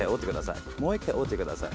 もう１回折ってください。